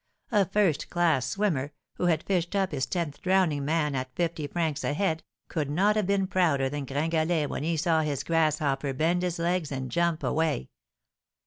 A first class swimmer, who had fished up his tenth drowning man at fifty francs a head, could not have been prouder than Gringalet when he saw his grasshopper bend his legs and jump away.